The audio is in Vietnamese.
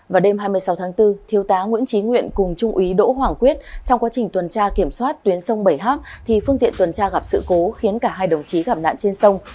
vào đêm hai mươi sáu tháng bốn thiếu tá nguyễn trí nguyện cùng trung úy đỗ hoàng quyết trong quá trình tuần tra kiểm soát tuyến sông bảy h thì phương tiện tuần tra gặp sự cố khiến cả hai đồng chí gặp nạn trên sông